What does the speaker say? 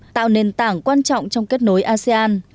tạo nền tảng quan trọng trong kết nối asean